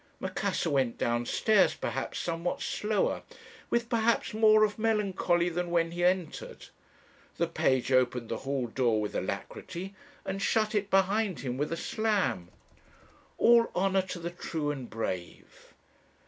Macassar went downstairs perhaps somewhat slower, with perhaps more of melancholy than when he entered. The page opened the hall door with alacrity, and shut it behind him with a slam. "All honour to the true and brave!